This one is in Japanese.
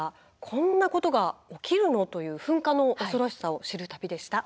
「こんなことが起きるの？」という噴火の恐ろしさを知る旅でした。